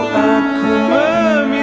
ku terpaku aku meminta